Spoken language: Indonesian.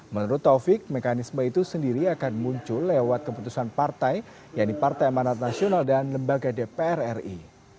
menurut taufik mekanisme itu sendiri akan muncul lewat keputusan partai yaitu partai amanat nasional dan lembaga dpr ri